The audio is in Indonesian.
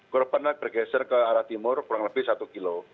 korban bergeser ke arah timur kurang lebih satu km